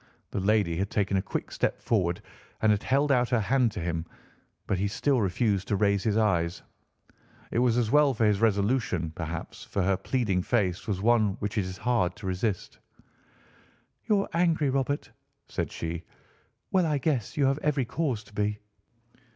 The lady had taken a quick step forward and had held out her hand to him, but he still refused to raise his eyes. It was as well for his resolution, perhaps, for her pleading face was one which it was hard to resist. "You're angry, Robert," said she. "Well, I guess you have every cause to be."